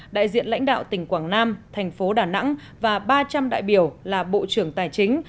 đại diện lãnh đạo tỉnh quảng nam thành phố đà nẵng và ba trăm linh đại biểu là bộ trưởng tài chính